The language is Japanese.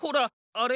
あれ？